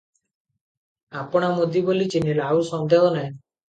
ଆପଣା ମୁଦି ବୋଲି ଛିହ୍ନିଲା, ଆଉ ସନ୍ଦେହ ନାହିଁ ।